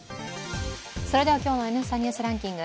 今日の「Ｎスタ・ニュースランキング」